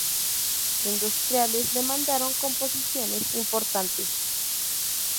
Industriales le mandaron composiciones importantes.